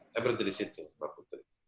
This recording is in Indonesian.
saya berhenti di situ